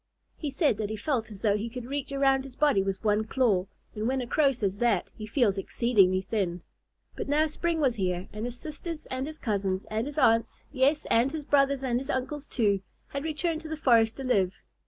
He said that he felt as though he could reach around his body with one claw, and when a Crow says that he feels exceedingly thin. But now spring was here, and his sisters and his cousins and his aunts, yes, and his brothers and his uncles, too, had returned to the forest to live.